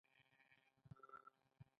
د ټولنې امنیت ته لا زیات اهمیت قایل شي.